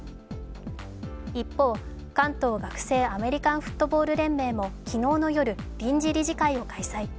一方、関東学生アメリカンフットボール連盟も昨日の夜、臨時理事会を開催。